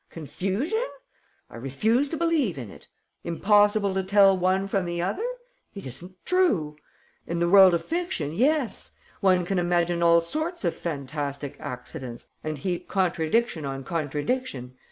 Confusion? I refuse to believe in it. Impossible to tell one from the other? It isn't true. In the world of fiction, yes, one can imagine all sorts of fantastic accidents and heap contradiction on contradiction.